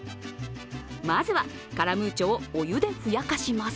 まずはカラムーチョをお湯でふやかします。